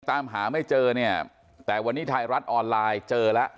ตามหาไม่เจอเนี่ยแต่วันนี้ไทยรัฐออนไลน์เจอแล้ว